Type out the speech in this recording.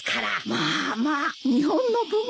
まあまあ日本の文化。